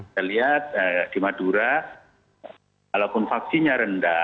saya lihat di madura walaupun vaksinnya rendah